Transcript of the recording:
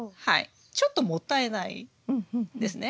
ちょっともったいないですね。